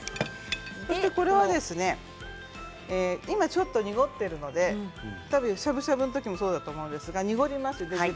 ちょっと濁っているのでしゃぶしゃぶの時もそうだと思うんですが濁ります。